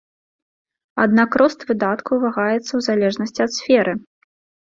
Аднак рост выдаткаў вагаецца ў залежнасці ад сферы.